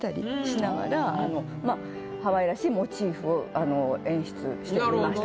ハワイらしいモチーフを演出してみました。